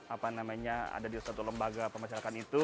apa namanya ada di satu lembaga pemasyarakat itu